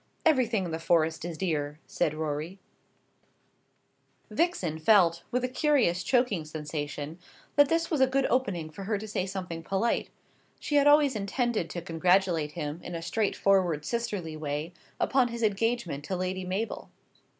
"Everything in the Forest is dear," said Rorie. Vixen felt, with a curious choking sensation, that this was a good opening for her to say something polite. She had always intended to congratulate him, in a straightforward sisterly way, upon his engagement to Lady Mabel.